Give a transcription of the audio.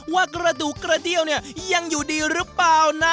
ว่ากระดูกกระเดี้ยวเนี่ยยังอยู่ดีหรือเปล่านะ